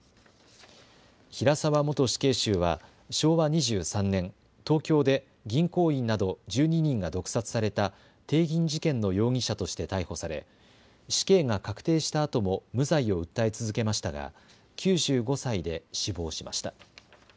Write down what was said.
平沢元死刑囚は昭和２３年、東京で銀行員など１２人が毒殺された帝銀事件の容疑者として逮捕され死刑が確定したあとも無罪を訴え続けましたが９５歳で死亡しました。